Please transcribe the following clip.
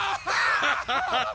ハハハハ！